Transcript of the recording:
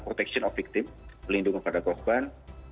protection of victim melindungi kepada korban